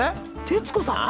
徹子さん？